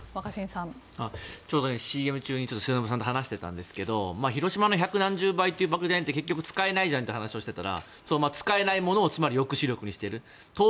ちょうどＣＭ中に末延さんと話してたんですけど広島の１００何十倍という爆弾って結局使えないじゃんという話をしていたら使えないものを抑止力にしていると。